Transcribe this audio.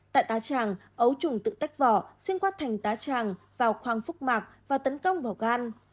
tại tá tràng ấu trùng tự tách vỏ xuyên qua thành tá tràng vào khoang phúc mạc và tấn công vào gan